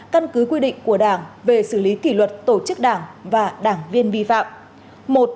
căn cứ quy định của đảng về xử lý kỷ luật tổ chức đảng và đảng viên vi phạm